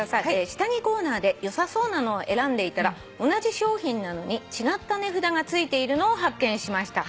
下着コーナーでよさそうなのを選んでいたら同じ商品なのに違った値札がついているのを発見しました」